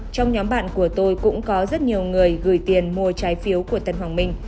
trong nhóm bạn của tôi cũng có rất nhiều người gửi tiền mua trái phiếu của tân hoàng minh